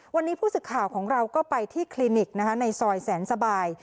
วันนี้ผู้สื่อข่าวของเราก็ไปที่คลินิกในซอยแสนสบาย